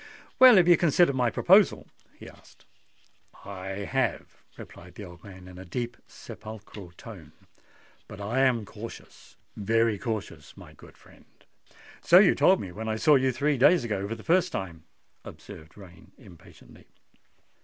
"Well, have you considered my proposal?" he asked. "I have," replied the old man in a deep sepulchral tone; "but I am cautious—very cautious, my good friend." "So you told me when I saw you three days ago for the first time," observed Rain impatiently.